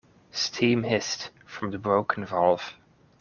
Steam hissed from the broken valve.